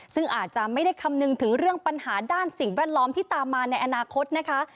ซึ่งอาจจะไม่ได้คำนึงถึงเรื่องปัญหาด้านสิ่งแวดล้อมที่ตามมาในอนาคตนะคะ